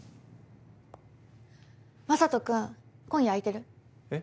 眞人君今夜空いてる？えっ？